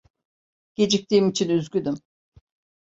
Geciktiğim için üzgünüm.